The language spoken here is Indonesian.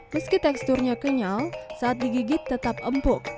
meski teksturnya kenyal saat digigit tetap empuk